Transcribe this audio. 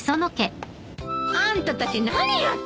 あんたたち何やってるの？